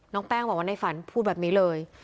แป้งบอกว่าในฝันพูดแบบนี้เลย